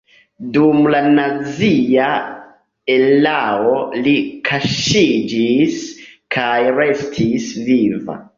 Dum la nazia erao li kaŝiĝis kaj restis viva.